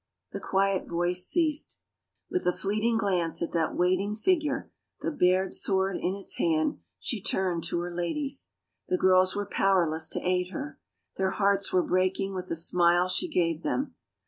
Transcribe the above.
The quiet voice ceased. With a fleeting glance at that waiting figure, the bared sword in its hand, she turned to her ladies. The girls were powerless to aid her. Their hearts were breaking with the smile she gave them.